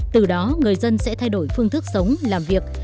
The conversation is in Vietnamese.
từ đó người dân sẽ thay đổi phương thức sống làm việc